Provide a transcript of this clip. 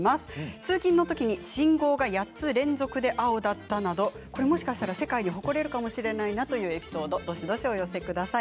通勤のときに信号が８つ連続で青だったなどもしかしたら世界に誇れるかもしれないなというエピソードをどしどしお寄せください。